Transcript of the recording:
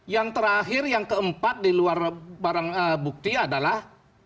yang terakhir yang keempat di luar barang bukti adalah